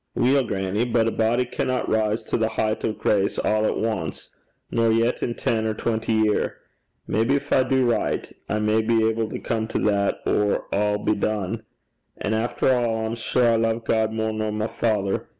'Weel, grannie; but a body canna rise to the heicht o' grace a' at ance, nor yet in ten, or twenty year. Maybe gin I do richt, I may be able to come to that or a' be dune. An' efter a', I'm sure I love God mair nor my father.